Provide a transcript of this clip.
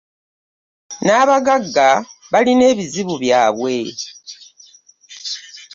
N'abagagga balina ebizibu byabwe.